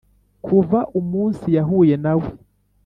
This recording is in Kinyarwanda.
kuva umunsi yahuye nawe,